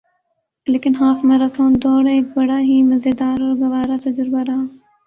لیکن half marathon دوڑ ایک بڑا ہی مزیدار اور گوارہ تجربہ رہا